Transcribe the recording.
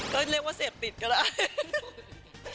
เธอเรียกว่าเสพติดก็ได้